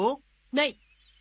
ない。